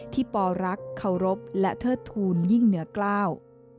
ปอรักเคารพและเทิดทูลยิ่งเหนือกล้าว